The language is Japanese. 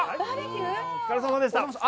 お疲れさまでした。